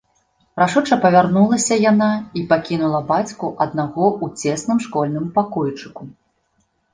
Рашуча павярнулася яна і пакінула бацьку аднаго ў цесным школьным пакойчыку.